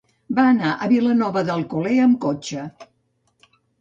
Va anar a Vilanova d'Alcolea amb cotxe.